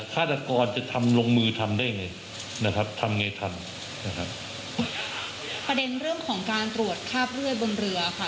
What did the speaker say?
ฆาตกรจะทำลงมือทำได้ไงนะครับทำไงทำนะครับประเด็นเรื่องของการตรวจคราบเลือดบนเรือค่ะ